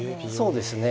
そうですね。